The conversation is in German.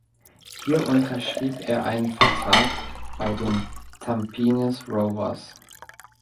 Hier unterschrieb er einen Vertrag bei den Tampines Rovers.